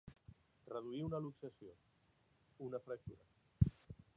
Reduir una luxació, una fractura.